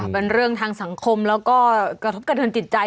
เป็นเรื่องทางสังคมแล้วก็กระทบกระเทินจิตใจ